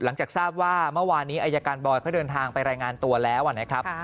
หลังจากทราบว่าเมื่อวานนี้อายการบอยเขาเดินทางไปรายงานตัวแล้วนะครับ